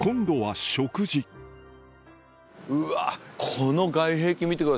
この外壁見てください。